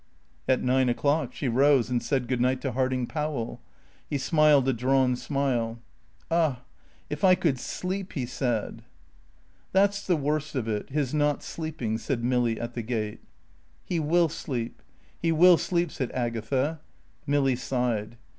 At nine o'clock she rose and said good night to Harding Powell. He smiled a drawn smile. "Ah if I could sleep " he said. "That's the worst of it his not sleeping," said Milly at the gate. "He will sleep. He will sleep," said Agatha. Milly sighed.